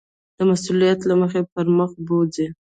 د مسؤلیت له مخې پر مخ بوځي.